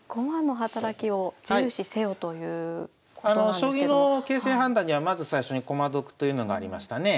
将棋の形勢判断にはまず最初に駒得というのがありましたねえ。